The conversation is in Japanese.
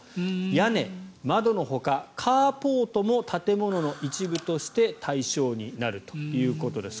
屋根、窓のほかカーポートも建物の一部として対象になるということです。